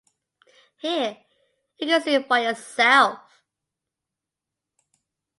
Here, you can see for yourself.